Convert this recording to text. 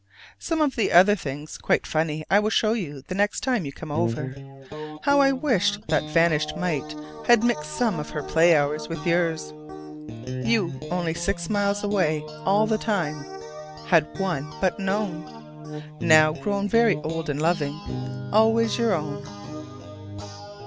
Some of the other things, quite funny, I will show you the next time you come over. How I wish that vanished mite had mixed some of her play hours with yours: you only six miles away all the time: had one but known! Now grown very old and loving, always your own.